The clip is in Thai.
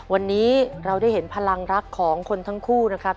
วันนี้เราได้เห็นพลังรักของคนทั้งคู่นะครับ